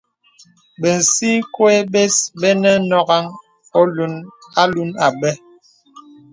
Bə̀sikwe bes bə̄ nə̀ nɔ̀ghaŋ alūn nə̀ bès.